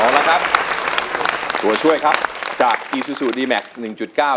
เอาละครับตัวช่วยครับจากอีซูซูดีแม็กซ์หนึ่งจุดเก้า